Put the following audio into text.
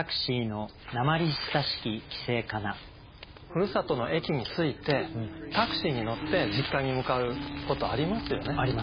ふるさとの駅に着いてタクシーに乗って実家に向かうことありますよね。